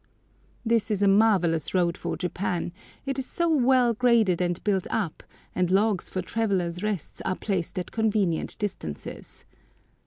This is a marvellous road for Japan, it is so well graded and built up, and logs for travellers' rests are placed at convenient distances.